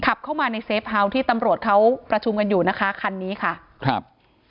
ขับเข้ามาในเฟฟเฮาส์ที่ตำรวจเขาประชุมกันอยู่นะคะคันนี้ค่ะครับ